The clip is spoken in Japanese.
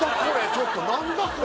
ちょっとなんだこれ？